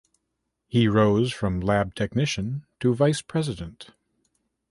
He rose from lab technician to Vice President.